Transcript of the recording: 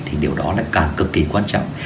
thì điều đó đã càng cực kỳ quan trọng